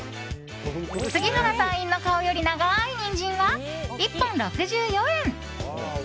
杉原隊員の顔より長いニンジンは１本６４円。